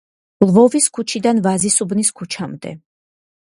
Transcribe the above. ლვოვის ქუჩიდან ვაზისუბნის ქუჩამდე.